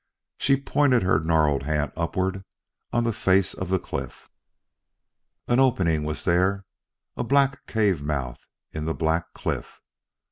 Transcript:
She pointed her gnarled hand upward on the face of the cliff. An opening was there, a black cave mouth in the black cliff.